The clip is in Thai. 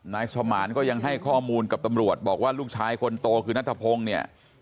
นายสมานก็ยังให้ข้อมูลกับตำรวจบอกว่าลูกชายคนโตคือนัทพงศ์เนี่ย